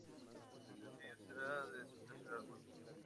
Este sencillo será de su tercer álbum.